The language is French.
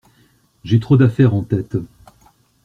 J'ai trop d'affaires en tête!